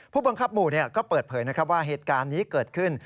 ผู้บังคับหมู่ก็เปิดเผยนะครับว่าเหตุการณ์นี้เกิดขึ้น